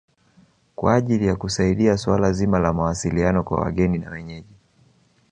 Kwa ajili ya kusaidia suala zima la mawasiliano kwa wageni na wenyeji